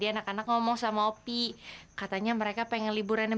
iya kak kan selama ini kita gak pernah liburan